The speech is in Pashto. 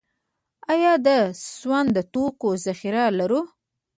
آیا د سون توکو ذخیرې لرو؟